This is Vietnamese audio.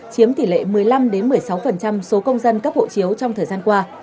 chiếm tỷ lệ một mươi năm một mươi sáu số công dân cấp hộ chiếu trong thời gian qua